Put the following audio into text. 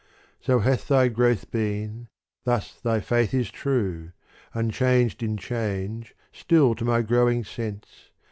So hath thy growth been, thus thy faith is true, Unchanged in change, still to my growing sense.